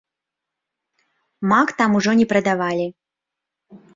Мак там ужо не прадавалі.